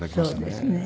そうですね。